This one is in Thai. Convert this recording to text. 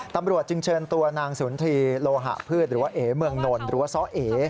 ตำรวจจึงเชิญตัวนางสุนทรีย์โลหะพืชหรือว่าเอ๋เมืองนนหรือว่าซ้อเอ